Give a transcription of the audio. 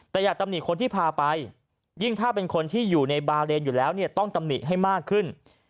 แต่อย่าตำหนิคนที่พาไปยิ่งถ้าเป็นคนที่อยู่ในบาเรนอยู่แล้วเนี่ยต้องตำหนิให้มากขึ้น